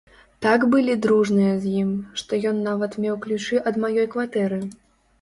Так былі дружныя з ім, што ён нават меў ключы ад маёй кватэры.